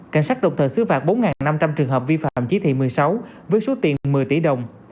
cảnh sát độc thờ xứ phạt bốn năm trăm linh trường hợp vi phạm chí thị một mươi sáu với số tiền một mươi tỷ đồng